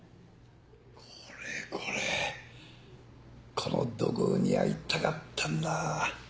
この土偶に会いたかったんだ。